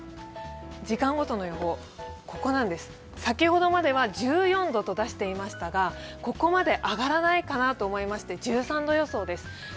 時間ごとの予報、先ほどまでは１４度と出していましたがここまで上がらないかなと思いまして１３度予想です。